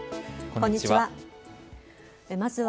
こんにちは。